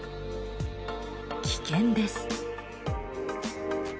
危険です。